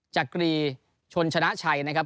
จักรีชนชนะชัยนะครับ